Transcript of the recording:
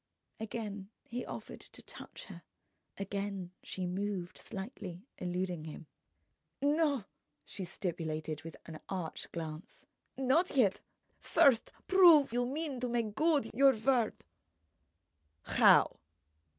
Again he offered to touch her, again she moved slightly, eluding him. "No," she stipulated with an arch glance—"not yet! First prove you mean to make good your word." "How?"